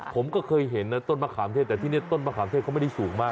ผมก็เคยเห็นนะต้นมะขามเทศแต่ที่นี่ต้นมะขามเทศเขาไม่ได้สูงมาก